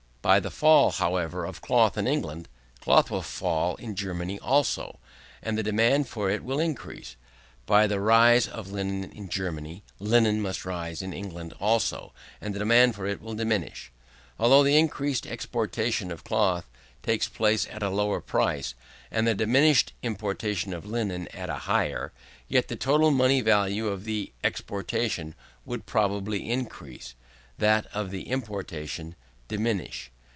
By the fall, however, of cloth in England, cloth will fall in Germany also, and the demand for it will increase. By the rise of linen in Germany, linen must rise in England also, and the demand for it will diminish. Although the increased exportation of cloth takes place at a lower price, and the diminished importation of linen at a higher, yet the total money value of the exportation would probably increase, that of the importation diminish.